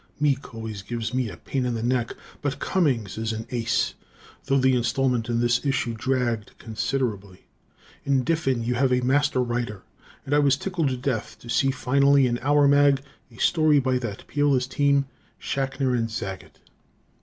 Meek always gives me a pain in the neck, but Cummings is an ace, though the installment in this issue dragged considerably. In Diffin you have a master writer; and I was tickled to death to see finally in "our" mag a story by that peerless team, Schachner and Zagat.